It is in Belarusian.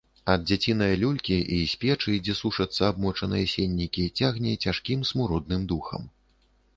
Ад дзяцінае люлькі і з печы, дзе сушацца абмочаныя сеннікі, цягне цяжкім смуродным духам.